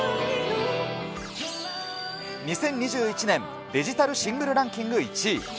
２０２１年、デジタルシングルランキング１位。